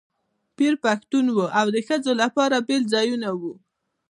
پیر پښتون و او د ښځو لپاره بېل ځایونه وو.